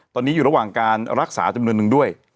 ตอนนี้อยู่ระหว่างการรักษาจำนวนนึงด้วย